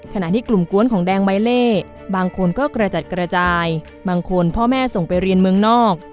ขณะที่กลุ่มกวนของแดงใบเล่บางคนก็กระจัดกระจายบางคนพ่อแม่ส่งไปเรียนเมืองนอก